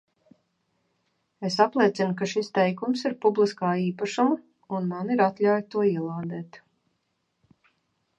Es apliecinu, ka šis teikums ir publiskā īpašuma un man ir atļauja to ielādēt.